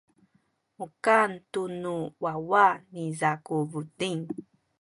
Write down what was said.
makan tu nu wawa niza ku buting.